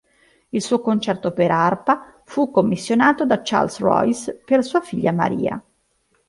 Il suo "Concerto per arpa" fu commissionato da Charles Royce per sua figlia Maria.